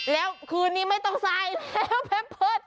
แล้วคืนนี้ไม่ต้องใส่แล้วแพมเพิร์ต